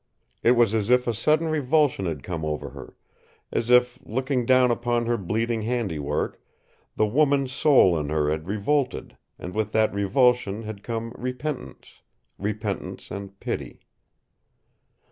It was as if a sudden revulsion had come over her; as if, looking down upon her bleeding handiwork, the woman's soul in her had revolted, and with that revulsion had come repentance repentance and pity.